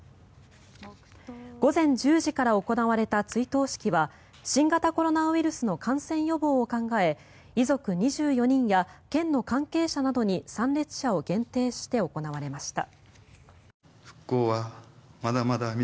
午前１０時から行われた追悼式は新型コロナウイルスの感染予防を考え遺族２４人や県の関係者などに参列者を限定して行われました。